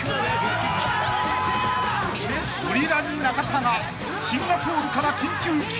［オリラジ中田がシンガポールから緊急帰国］